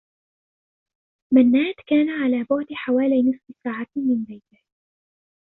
مناد كان على بعد حوالي نصف ساعة من بيته.